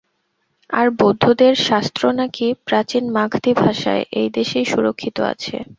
আর বৌদ্ধদের শাস্ত্র নাকি প্রাচীন মাগধী ভাষায়, এই দেশেই সুরক্ষিত আছে।